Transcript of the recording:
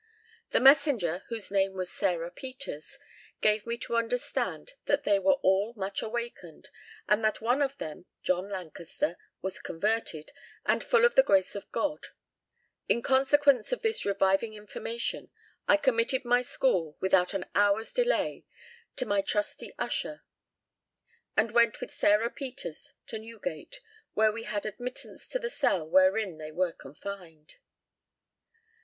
The messenger, whose name was Sarah Peters, gave me to understand that they were all much awakened, and that one of them, John Lancaster, was converted, and full of the grace of God. In consequence of this reviving information, I committed my school without an hour's delay to my trusty usher, and went with Sarah Peters to Newgate, where we had admittance to the cell wherein they were confined."